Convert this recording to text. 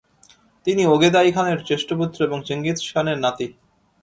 তিনি ওগেদাই খানের জ্যেষ্ঠ পুত্র এবং চেঙ্গিস খানের নাতি।